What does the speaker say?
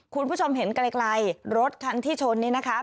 คุณผู้ชมเห็นไกลรถคันที่ชนนี่นะคะ